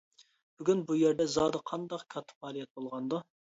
بۈگۈن بۇ يەردە زادى قانداق كاتتا پائالىيەت بولغاندۇ؟ !